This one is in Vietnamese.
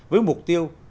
với mục tiêu